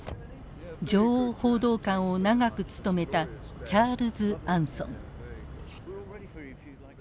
女王報道官を長く務めたチャールズ・アンソン。